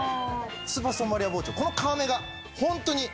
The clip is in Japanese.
スーパーストーンバリア包丁この皮目がホントに。